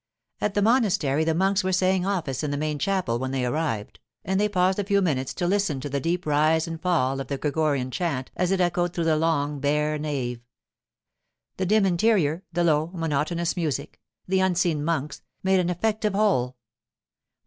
At the monastery the monks were saying office in the main chapel when they arrived, and they paused a few minutes to listen to the deep rise and fall of the Gregorian chant as it echoed through the long, bare nave. The dim interior, the low, monotonous music, the unseen monks, made an effective whole.